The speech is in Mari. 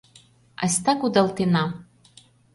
Айста кудалтена!